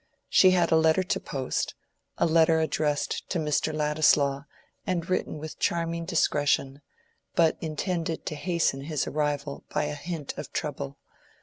She had a letter to post—a letter addressed to Mr. Ladislaw and written with charming discretion, but intended to hasten his arrival by a hint of trouble.